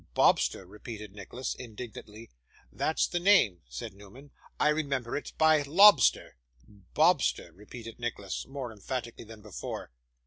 'Bobster!' repeated Nicholas, indignantly. 'That's the name,' said Newman. 'I remember it by lobster.' 'Bobster!' repeated Nicholas, more emphatically than before.